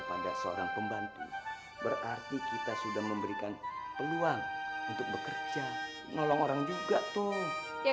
pada seorang pembantu berarti kita sudah memberikan peluang untuk bekerja nolong orang juga tuh ya